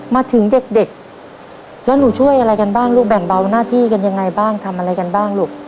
มาถึงเด็กแล้วหนูช่วยอะไรกันบ้างลูกแบ่งเบาหน้าที่กันยังไงบ้างทำอะไรกันบ้างลูก